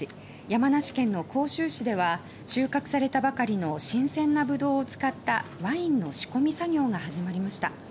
山梨県の甲州市では収穫されたばかりの新鮮なぶどうを使ったワインの仕込み作業が始まりました。